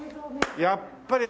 やっぱり。